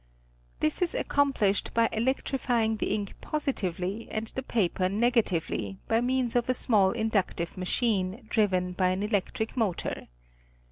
This is accomplished by electrifying the ink positively and the paper negatively, by means of a small inductive machine, driven by an electric motor.